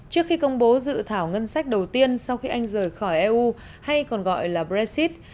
trước khi công bố dự thảo ngân sách đầu tiên sau khi anh rời khỏi eu hay còn gọi là brexit